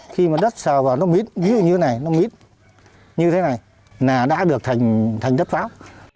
khi mà đất sờ vào nó mít như thế này nó mít như thế này là đã được thành đất pháo